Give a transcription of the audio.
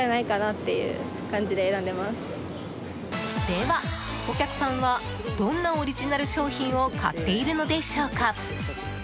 では、お客さんはどんなオリジナル商品を買っているのでしょうか？